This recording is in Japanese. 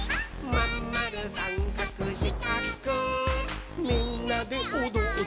「まんまるさんかくしかくみんなでおどっちゃおう」